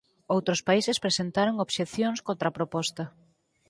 Outros países presentaron obxeccións contra a proposta.